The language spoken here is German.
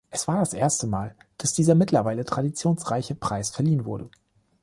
Es war das erste Mal, dass dieser mittlerweile traditionsreichen Preis verliehen wurde.